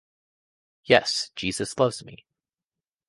Yes, Jesus loves me!